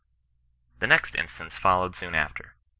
The next instance followed soon after.